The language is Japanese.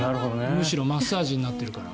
むしろマッサージになっているから。